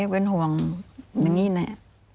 เป็นห่วงแบบนี้แน่